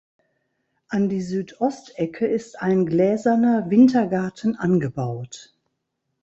An die Südostecke ist ein gläserner Wintergarten angebaut